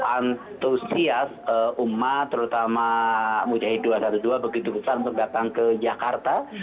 antusias umat terutama mujahid dua ratus dua belas begitu besar untuk datang ke jakarta